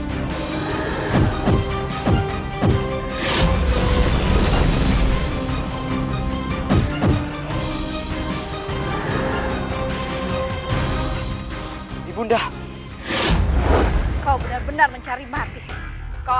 kelak supaya mendekati itu